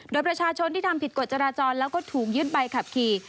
โดยประชาชนที่ทำผิดกฎจราจรแล้วก็ถูกยึดใบขับขี่